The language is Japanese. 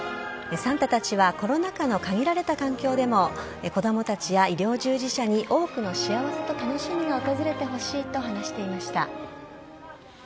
サンタたちはコロナ禍の限られた環境でも子供たちや医療従事者に多くの幸せと楽しみを訪れてほしいと話していました。